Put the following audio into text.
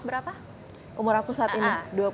berapa umur aku saat ini